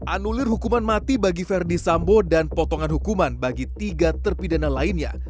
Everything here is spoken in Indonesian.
anulir hukuman mati bagi ferdi sambo dan potongan hukuman bagi tiga terpidana lainnya